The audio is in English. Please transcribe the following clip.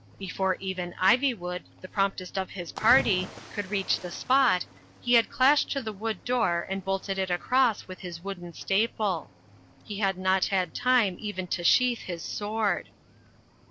Before even Ivywood (the promptest of his party) could reach the spot, he had clashed to the wood door and bolted it across with his wooden staple. He had not had time even to sheath his sword.